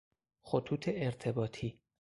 خطوط ارتباطی